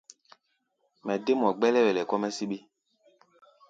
Mɛ dé mɔ gbɛ́lɛ́wɛlɛ kɔ́-mɛ́ síɓí.